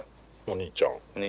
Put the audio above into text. お兄ちゃん２３。